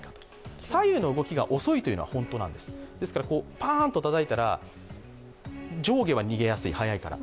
パーンとたたいたら、上下は逃げやすい、速いから。